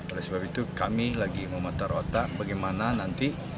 oleh sebab itu kami lagi memutar otak bagaimana nanti